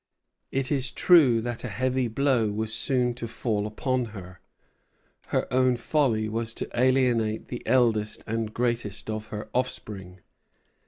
It is true that a heavy blow was soon to fall upon her; her own folly was to alienate the eldest and greatest of her offspring.